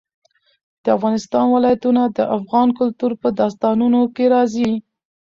د افغانستان ولايتونه د افغان کلتور په داستانونو کې راځي.